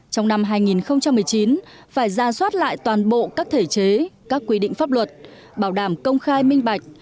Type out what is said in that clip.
trong năm hai nghìn một mươi chín phải ra soát lại toàn bộ các thể chế các quy định pháp luật bảo đảm công khai minh bạch